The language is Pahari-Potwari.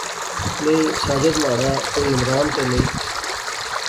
نئیں ساجد مہاڑا کوئی عمران تے نئیں